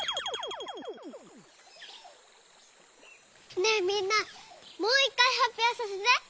ねえみんなもういっかいはっぴょうさせて。